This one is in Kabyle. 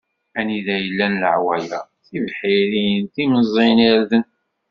Anida i llan laɛwanṣer, tibḥirin, timẓin, irden.